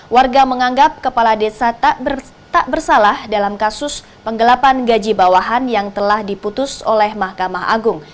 warga menganggap kepala desa tak bersalah dalam kasus penggelapan gaji bawahan yang telah diputus oleh mahkamah agung